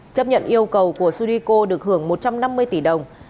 chấp nhận yêu cầu của sunico được hưởng một trăm năm mươi tỷ đồng